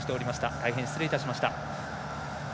大変失礼いたしました。